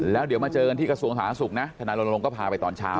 แล้วเดี๋ยวมาเจอกันที่กระทรวงสาธารณสุขนะทนายรณรงค์ก็พาไปตอนเช้า